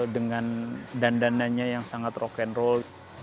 dengan dandan dandannya yang sangat rock and roll